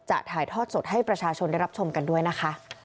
ถ่ายทอดสดให้ประชาชนได้รับชมกันด้วยนะคะ